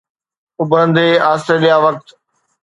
اڀرندي آسٽريليا وقت